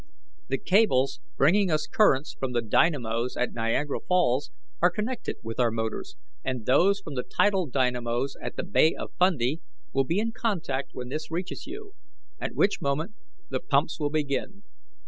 The cables bringing us currents from the dynamos at Niagara Falls are connected with our motors, and those from the tidal dynamos at the Bay of Fundy will be in contact when this reaches you, at which moment the pumps will begin.